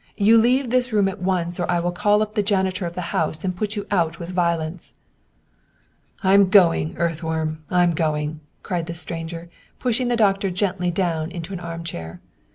You leave this room at once or I will call up the janitor of the house to put you out with violence." " I'm going, earthworm, I'm going !" cried the stranger, pushing the doctor gently down into an armchair.